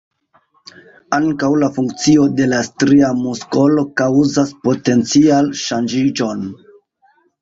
Ankaŭ la funkcio de la stria muskolo kaŭzas potencial-ŝanĝiĝon.